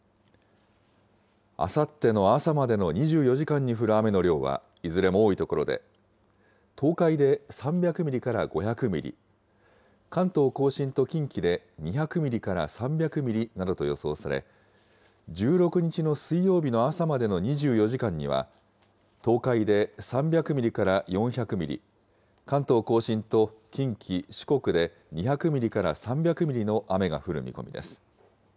あさっての朝までの２４時間に降る雨の量はいずれも多い所で、東海で３００ミリから５００ミリ、関東甲信と近畿で２００ミリから３００ミリなどと予想され、１６日の水曜日の朝までの２４時間には、東海で３００ミリから４００ミリ、関東甲信と近畿、四国で２００ミリから３００ミリの雨が降る見込みです。